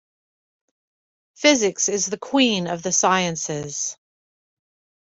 Physics is the queen of the sciences.